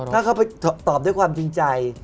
ถ้าเขาไปตอบด้วยความจริงใจ